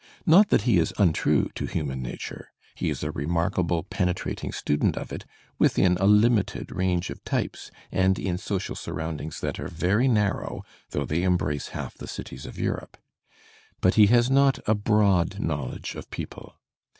Not that he is untrue to human nature. He is a remarkable penetrating student of it within a limited range of types and in social surroundings that are very narrow though they embrace half the cities of Europe. But he has not a broad knowledge of people.